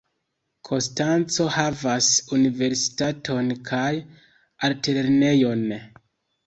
Konstanco havas universitaton kaj altlernejon.